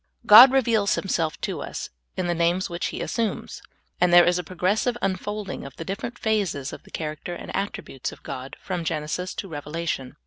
God reveals Himself to us in the names which He assumes, and there is a progressive unfolding of the different phases of the character and attributes of God, from Genesis to Revelation.